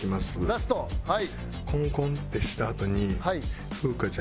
ラストはい。